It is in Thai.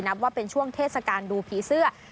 นับว่าเป็นช่วงเทศกาลดูผีเสื้อ